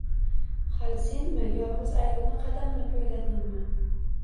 Hali senmi yolgʻiz ayolni qadamini poyladingmi?